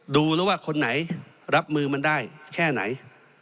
ดูแล้วว่าคนไหนรับมือมันได้แค่ไหน